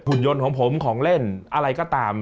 ยนต์ของผมของเล่นอะไรก็ตาม